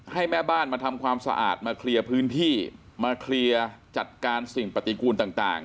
ให้แม่บ้านมาทำความสะอาดมาเคลียร์พื้นที่มาเคลียร์จัดการสิ่งปฏิกูลต่าง